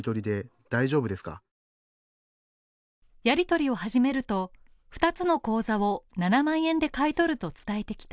やりとりを始めると、二つの口座を７万円で買い取ると伝えてきた。